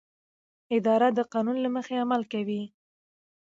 اداره د قانون له مخې عمل کوي.